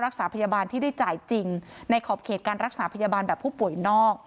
รักษาพยาบาลที่ได้จ่ายจริงในขอบเขตการรักษาพยาบาลแบบผู้ป่วยนอก